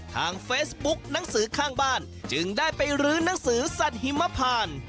ทางเฟซบุ๊กหนังสือข้างบ้านจึงได้ไปรื้อนังสือสัตว์หิมพาน